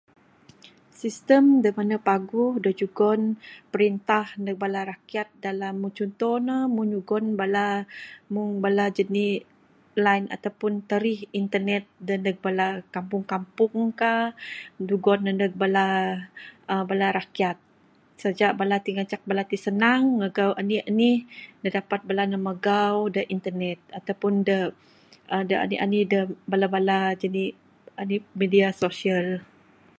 Sistem da mene paguh da jugon perintah neg bala rakyat dalam ne chunto meng nyugon bala...meng bala janik line ataupun tarih internet da neg bala kampung kampung ka...jugon ne neg bala uhh bala rakyat...saja bala ti ngancak bala ti sanang magau anih anih da dapat bala ne magau da internet ataupun da...da anih anih da bala bala anih media sosial.